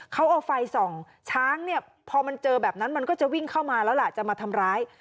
เขาเอาไฟส่องช้างเนี่ยพอมันเจอแบบนั้นมันก็จะวิ่งเข้ามาแล้วล่ะจะมาทำร้าย